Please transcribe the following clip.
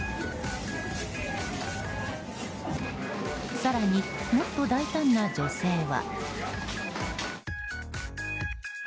更に、もっと大胆な女性は。